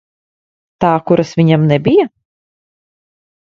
Tā, kuras viņam nebija?